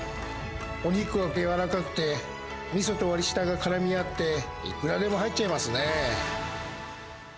お肉は柔らかくて、みそと割り下がからみ合って、いくらでも入っちゃいますね。